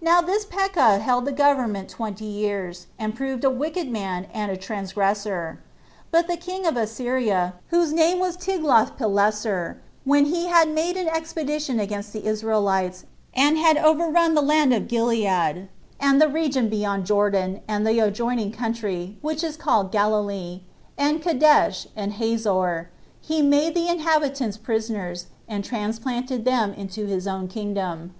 Now this Pekah held the government twenty years, and proved a wicked man and a transgressor. But the king of Assyria, whose name was Tiglath Pileser, when he had made an expedition against the Israelites, and had overrun all the land of Gilead, and the region beyond Jordan, and the adjoining country, which is called Galilee, and Kadesh, and Hazor, he made the inhabitants prisoners, and transplanted them into his own kingdom.